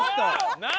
何？